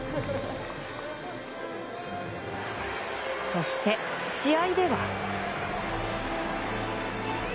そして、試合では。